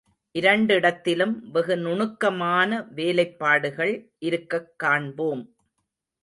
இரண்டிடத்திலும் வெகு நுணுக்கமான வேலைப்பாடுகள் இருக்கக் காண்போம்.